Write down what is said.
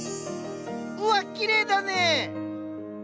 うわっきれいだねぇ！